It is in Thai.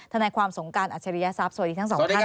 ทนายความสงการอัจฉริยทรัพย์สวัสดีทั้งสองท่าน